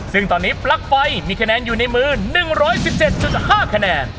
ซึ่งตอนนี้ปลั๊กไฟมีคะแนนอยู่ในมือ๑๑๗๕คะแนน